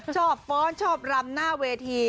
ฟ้อนชอบรำหน้าเวที